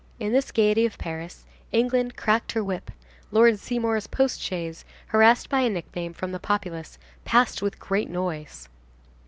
In this gayety of Paris, England cracked her whip; Lord Seymour's post chaise, harassed by a nickname from the populace, passed with great noise.